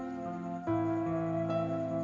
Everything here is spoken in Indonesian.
aku terlalu berharga